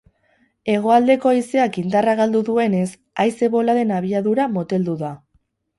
Hegoaldeko haizeak indarra galdu duenez, haize-boladen abiadura moteldu da.